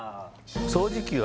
掃除機は？